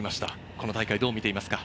この大会をどう見ていますか？